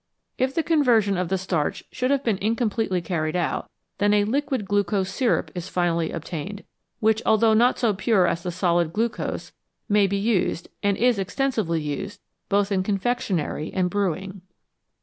If the conversion of the starch should have been in completely carried out, then a liquid glucose syrup is finally obtained, which, although not so pure as the solid glucose, may be used, and is extensively used, both in confectionery and brewing.